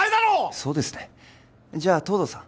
そうですねじゃあ藤堂さん